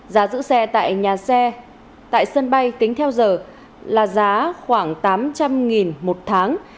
giá giữ xe tại nhà xe tại sân bay tính theo giờ là giá khoảng tám trăm linh đồng một tháng